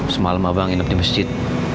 semalam abang nginep di masjid